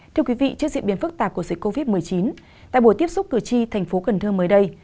thưa quý vị trước diễn biến phức tạp của dịch covid một mươi chín tại buổi tiếp xúc cử tri thành phố cần thơ mới đây